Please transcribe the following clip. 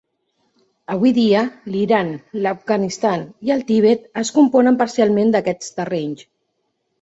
Avui dia, l'Iran, l'Afganistan i el Tibet es componen parcialment d'aquests terrenys.